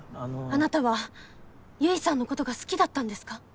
あなたは結衣さんのことが好きだったんですか？